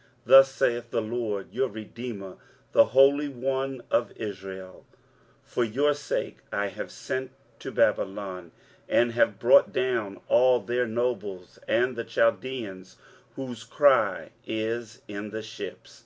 23:043:014 Thus saith the LORD, your redeemer, the Holy One of Israel; For your sake I have sent to Babylon, and have brought down all their nobles, and the Chaldeans, whose cry is in the ships.